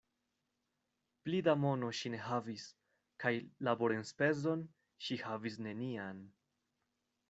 Pli da mono ŝi ne havis, kaj laborenspezon ŝi havis nenian.